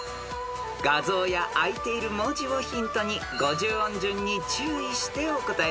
［画像やあいている文字をヒントに五十音順に注意してお答えください］